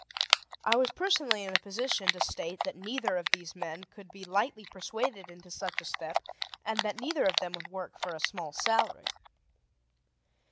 I was personally in a position to state that neither of these men could be lightly persuaded into such a step, and that neither of them would work for a small salary.